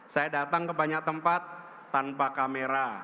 saya datang ke banyak tempat tanpa kamera